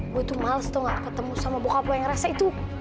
gue tuh males tuh gak ketemu sama bokap lo yang rasa itu